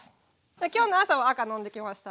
今日の朝は赤飲んできました。